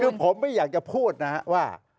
คือผมไม่อยากจะพูดนะครับว่า